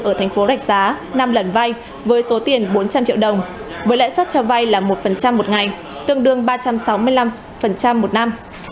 ở thành phố rạch giá năm lần vay với số tiền bốn trăm linh triệu đồng với lãi suất cho vay là một một ngày tương đương ba trăm sáu mươi năm một năm